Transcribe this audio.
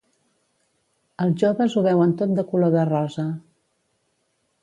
Els joves ho veuen tot de color de rosa.